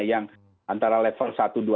yang antara level satu dua